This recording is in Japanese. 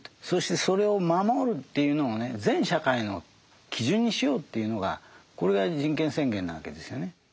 そしてそれを守るっていうのをね全社会の基準にしようというのがこれが人権宣言なわけですよね。